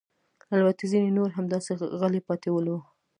البته ځیني نور همداسې غلي پاتې ول.